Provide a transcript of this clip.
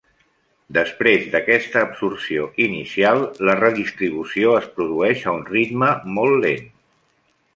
Després d'aquesta absorció inicial, la redistribució es produeix a un ritme molt lent.